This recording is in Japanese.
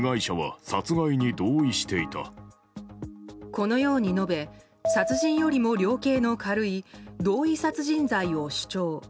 このように述べ殺人よりも量刑の軽い同意殺人罪を主張。